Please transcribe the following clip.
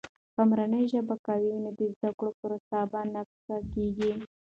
که مورنۍ ژبه قوي وي، نو د زده کړې پروسه بې نقصه کیږي.